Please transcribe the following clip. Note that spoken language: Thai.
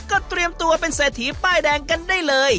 ก็เตรียมตัวเป็นเศรษฐีป้ายแดงกันได้เลย